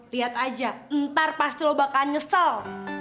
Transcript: lihat aja ntar pasti lo bakal nyesel